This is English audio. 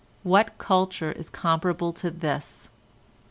What culture is comparable to this?